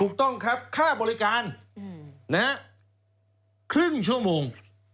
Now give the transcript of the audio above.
ถูกต้องครับค่าบริการครึ่งชั่วโมง